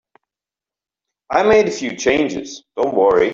I made a few changes, don't worry.